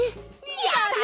やった！